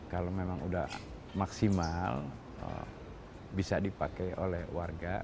kalau memang sudah maksimal bisa dipakai oleh warga